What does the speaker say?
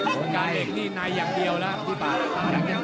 ประกาศเหล็กนี่ในอย่างเดียวแล้วที่ฝ้าแล้ว